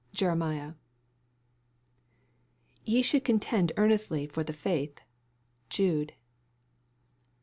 Jeremiah " Ye should contend earnestly for the faith." Jude.